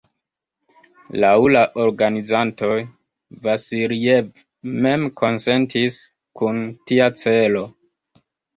Laŭ la organizantoj, Vasiljev mem konsentis kun tia celo.